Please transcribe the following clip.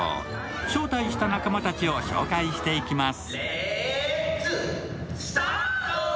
招待した仲間たちを紹介していきます。